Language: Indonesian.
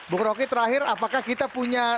bukroki terakhir apakah kita punya